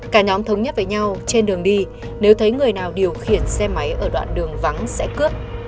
cả nhóm thống nhất với nhau trên đường đi nếu thấy người nào điều khiển xe máy ở đoạn đường vắng sẽ cướp